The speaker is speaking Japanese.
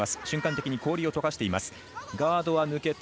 瞬間的に氷を溶かしています。